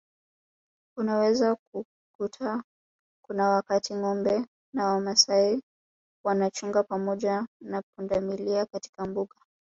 Unaweza kukuta kuna wakati ngombe wa Wamasai wanachunga pamoja na pundamilia katika Mbuga